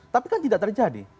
tapi kan tidak terjadi